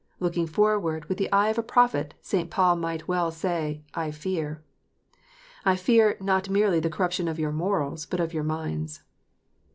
Looking forward with the eye of a prophet, St. Paul might well say, " I fear :" "I fear not merely the corruption of your morals, but of your minds."